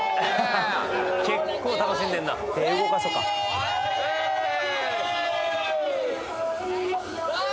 結構楽しんでんな手動かそかフー！